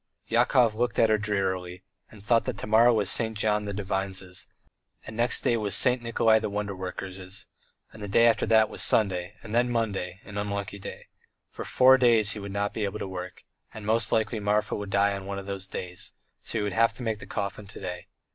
Yakov looked at her drearily and thought that to morrow was St. John the Divine's, and next day St. Nikolay the Wonder worker's, and the day after that was Sunday, and then Monday, an unlucky day. For four days he would not be able to work, and most likely Marfa would die on one of those days; so he would have to make the coffin to day.